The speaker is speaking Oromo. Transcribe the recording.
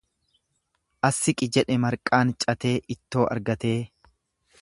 As siqi jedhe marqaan catee ittoo argatee.